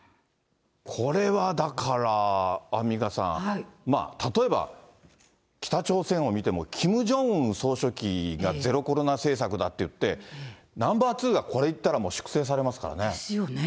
これはだから、アンミカさん、例えば北朝鮮を見ても、キム・ジョンウン総書記がゼロコロナ政策だって言って、ナンバー２がこれ言ったらもう、粛清されますからね。